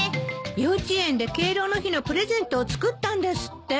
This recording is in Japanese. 幼稚園で敬老の日のプレゼントを作ったんですって。